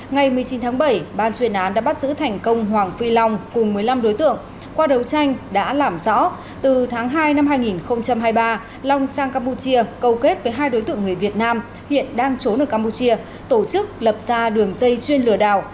ngày một mươi chín tháng bảy ban chuyên án đã bắt giữ thành công hoàng phi long cùng một mươi năm đối tượng qua đấu tranh đã làm rõ từ tháng hai năm hai nghìn hai mươi ba long sang campuchia cầu kết với hai đối tượng người việt nam hiện đang trốn ở campuchia tổ chức lập ra đường dây chuyên lừa đảo